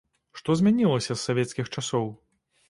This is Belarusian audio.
Што змянілася з савецкіх часоў?